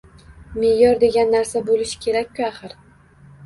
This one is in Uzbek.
Me`yor degan narsa bo`lishi kerak-ku, axir